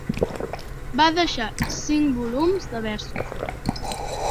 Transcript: Va deixar cinc volums de versos.